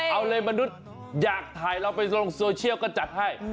เอาเลยมนุษย์อยากถ่ายเราไปลงโซเชียลก็จัดให้